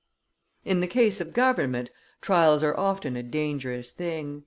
In the case of government, trials are often a dangerous thing.